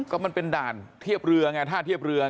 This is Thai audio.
ก็มันเป็นด่านเทียบเรือไงท่าเทียบเรือ